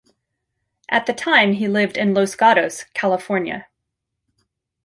At the time he lived in Los Gatos, California.